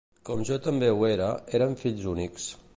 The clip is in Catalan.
Com jo també ho era, eren fills únics.